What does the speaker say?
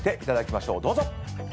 どうぞ。